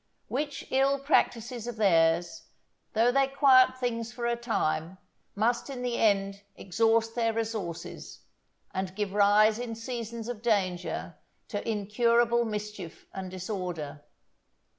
Which ill practices of theirs, though they quiet things for a time, must in the end exhaust their resources, and give rise in seasons of danger to incurable mischief and disorder.